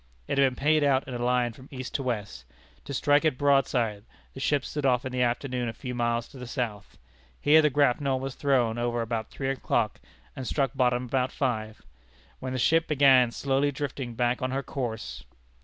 It had been paid out in a line from east to west. To strike it broadside, the ship stood off in the afternoon a few miles to the south. Here the grapnel was thrown over about three o'clock, and struck bottom about five, when the ship began slowly drifting back on her course.